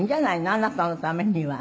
「あなたのためには」